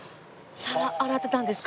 皿洗ってたんですか？